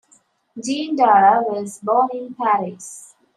Jean Dara was born in Paris.